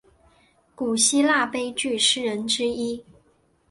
古希腊悲剧诗人之一。